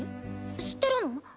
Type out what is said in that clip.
知ってるの？